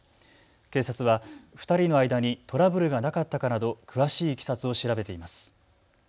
警察は２人の間にトラブルがなかったかなど詳しいいきさつを調べています。